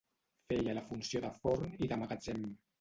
Feia la funció de forn i de magatzem.